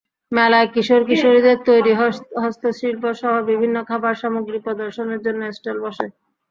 মেলায় কিশোর কিশোরীদের তৈরি হস্তশিল্পসহ বিভিন্ন খাবার সামগ্রী প্রদর্শনের জন্য স্টল বসে।